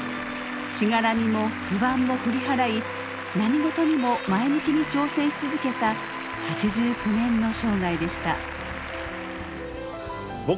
しがらみも不安も振り払い何事にも前向きに挑戦し続けた８９年の生涯でした。